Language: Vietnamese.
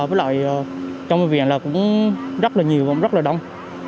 với lại trong viện là cũng rất là nhiều rất là đông